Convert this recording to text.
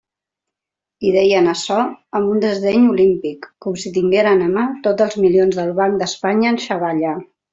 I deien açò amb un desdeny olímpic, com si tingueren a mà tots els milions del Banc d'Espanya en xavalla.